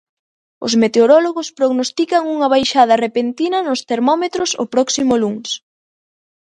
Os meteorólogos prognostican unha baixada repentina nos termómetros o próximo luns.